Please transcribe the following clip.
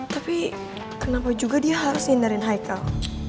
tapi kenapa juga dia harus hindarin haikal